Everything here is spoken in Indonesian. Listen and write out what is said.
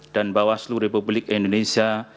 dan bawah seluruh republik indonesia